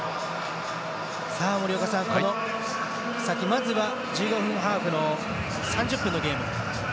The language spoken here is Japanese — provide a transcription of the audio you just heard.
森岡さん、まずは１５分ハーフの３０分のゲーム。